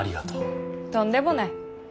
とんでもない。